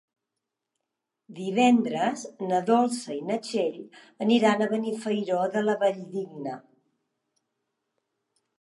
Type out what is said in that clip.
Divendres na Dolça i na Txell aniran a Benifairó de la Valldigna.